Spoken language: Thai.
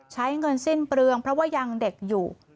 ใช้เงินสิ้นเปลืองเพราะว่ายังเด็กอยู่